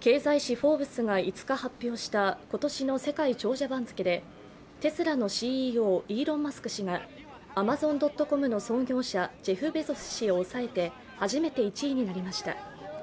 経済誌「フォーブス」が５日発表した今年の世界長者番付でテスラのＣＥＯ、イーロン・マスク氏がアマドン・ドット・コムの創業者ジェフ・ベゾス氏を抑えて初めて１位になりました。